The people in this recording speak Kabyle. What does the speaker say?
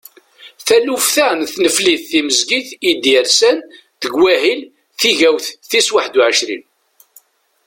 Taluft-a n tneflit timezgit i d-yersen deg wahil tigawt tis waḥedd u ɛecrin.